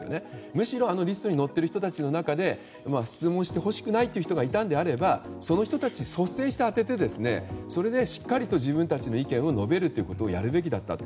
むしろリストに載っている人たちの中で質問してほしくない人がいたのであればその人たちに率先して当ててしっかりと自分たちの意見を述べるということをやるべきだったと。